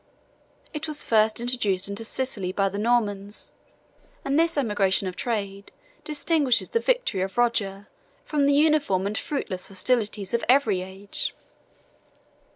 It was first introduced into Sicily by the Normans; and this emigration of trade distinguishes the victory of Roger from the uniform and fruitless hostilities of every age.